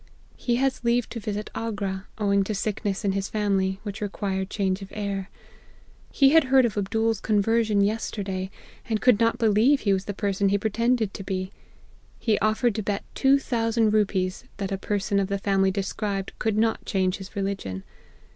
He has leave to visit Agra, owing to sickness in his family, which required change of air. He had heard of AbdooPs conversion yesterday, and could not believe he was the person he pretended to be. He offered to bet 2000 rupees, that a person of the family described, could not change his religion.